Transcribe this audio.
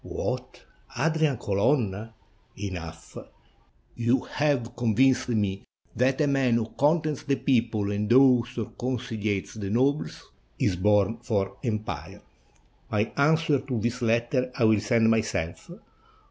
"What, Adrian Colonna! Enough; you have con vinced me that a man who contents the people and awes or conciliates the nobles is born for empire. My answer to this letter I will send myself.